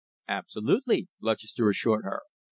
"Absolutely," Lutchester assured her.